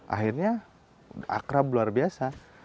akhirnya akrab luar biasa